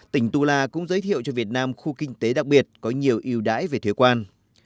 tỉnh tula cũng giới thiệu cho việt nam khu kinh tế đặc biệt có nhiều yêu đãi về thuế quan